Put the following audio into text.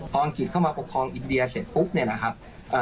ตอนอังกฤษเข้ามาปกครองอินเดียเสร็จปุ๊บ